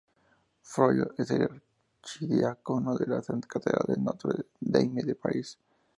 Frollo es el archidiácono de la catedral de Notre Dame de París.